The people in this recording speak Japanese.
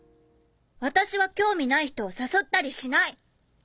私は興味ない人を誘ったりしない。